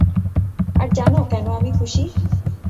আর জানো কেন আমি খুশি?